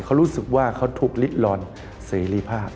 เขารู้สึกว่าเขาถูกลิดลอนเสรีภาพ